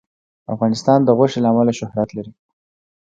افغانستان د غوښې له امله شهرت لري.